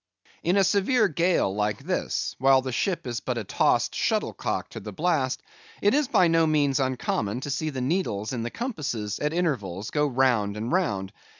In a severe gale like this, while the ship is but a tossed shuttlecock to the blast, it is by no means uncommon to see the needles in the compasses, at intervals, go round and round.